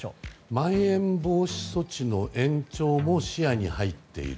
まん延防止措置の延長も視野に入っている。